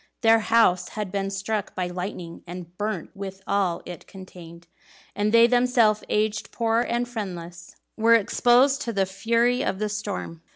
Their house had been struck by lightning, and burnt with all it contained; and they themselves, aged, poor, and friendless, were exposed to the fury of the storm.